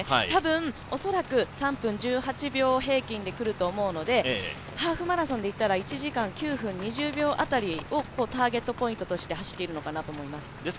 多分、おそらく３分１８秒でくると思うのでハーフマラソンでいったら１時間９分２０秒辺りをターゲットポイントとして走っているのかなと思います。